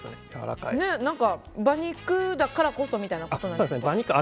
馬肉だからこそみたいなことなんですか？